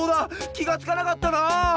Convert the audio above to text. きがつかなかったな。